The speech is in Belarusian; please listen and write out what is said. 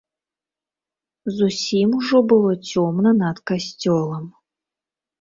Зусім ужо было цёмна над касцёлам.